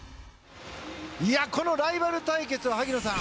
このライバル対決は萩野さん